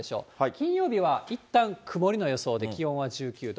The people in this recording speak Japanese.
金曜日はいったん曇りの予想で、気温は１９度。